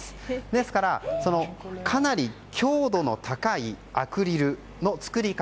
ですから、かなり強度の高いアクリルの作り方